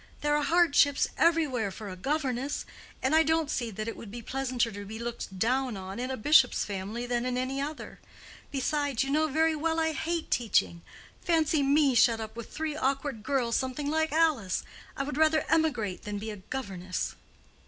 There are hardships everywhere for a governess. And I don't see that it would be pleasanter to be looked down on in a bishop's family than in any other. Besides, you know very well I hate teaching. Fancy me shut up with three awkward girls something like Alice! I would rather emigrate than be a governess."